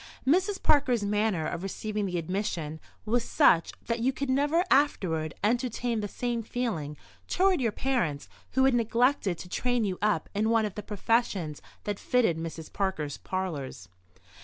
Mrs. Parker's manner of receiving the admission was such that you could never afterward entertain the same feeling toward your parents, who had neglected to train you up in one of the professions that fitted Mrs. Parker's parlours.